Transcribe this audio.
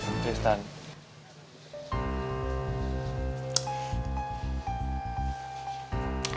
flo internet tv bareng ya